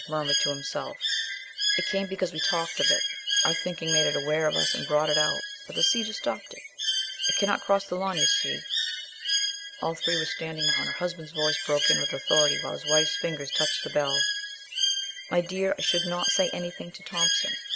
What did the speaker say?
murmured to himself: "It came because we talked of it; our thinking made it aware of us and brought it out. But the cedar stops it. It cannot cross the lawn, you see...." All three were standing now, and her husband's voice broke in with authority while his wife's fingers touched the bell. "My dear, I should not say anything to Thompson."